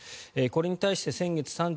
これに対して先月３１日